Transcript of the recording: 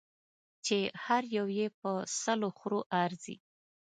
چې هر یو یې په سلو خرو ارزي.